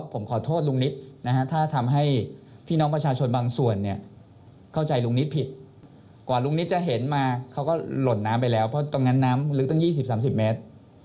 เพราะตรงนั้นน้ำลึกตั้ง๒๐๓๐เมตร